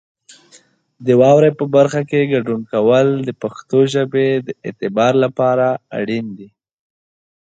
د واورئ برخه کې ګډون کول د پښتو ژبې د اعتبار لپاره اړین دي.